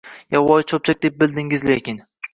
Yovvoyi cho’pchak deb bildingiz lekin